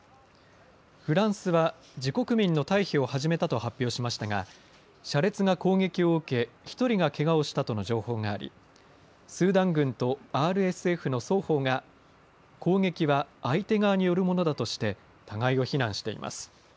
フランスは自国民の退避を始めたと発表しましたが車列が攻撃を受け１人がけがをしたとの情報がありスーダン軍とＲＳＦの双方が攻撃は相手側によるものだと互いを非難しています。